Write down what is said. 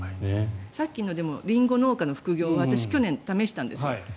さっきのリンゴ農家の副業は去年試したんです。